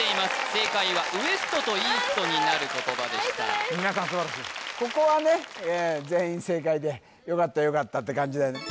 正解はＷＥＳＴとＥＡＳＴになる言葉でした皆さん素晴らしいここはね全員正解でよかったよかったって感じだよね